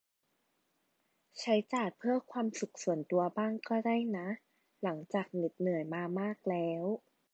ใช้จ่ายเพื่อความสุขส่วนตัวบ้างก็ได้นะหลังจากเหน็ดเหนื่อยมามากแล้ว